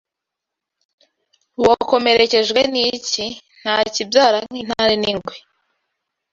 Wakomerekejwe n’iki Ntakibyara nk’intare n’ingwe